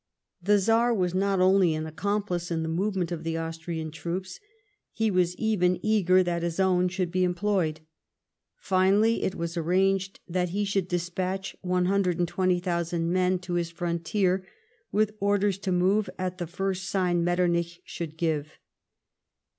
The Czar was not only an accomplice in the movement of the Austrian troops : he was even eager that his own should be employed. Finally it was arranged that he should despatch 120,000 men to his frontier with orders to move at the first sign Metternich should give.